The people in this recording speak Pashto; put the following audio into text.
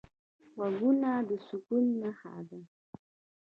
غوږونه د سکون نښه ده